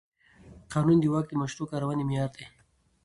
قانون د واک د مشروع کارونې معیار دی.